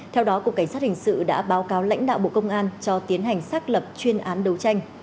theo đó cục cảnh sát hình sự đã báo cáo lãnh đạo bộ công an cho tiến hành xác lập chuyên án đấu tranh